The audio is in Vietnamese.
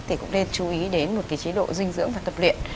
thì cũng nên chú ý đến một cái chế độ dinh dưỡng và cập luyện